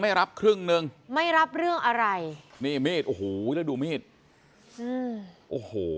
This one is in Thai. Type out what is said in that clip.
ไม่รับครึ่งหนึ่งไม่รับเรื่องอะไรนี่มีดโอ้โหแล้วดูมีดอืมโอ้โห